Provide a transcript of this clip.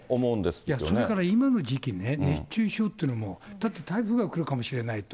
それから今の時期ね、熱中症っていうのも、だって、台風が来るかもしれないと。